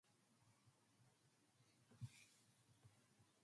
During his lifetime Scipione Gentili was held in high esteem all over Europe.